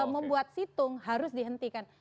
membuat situng harus dihentikan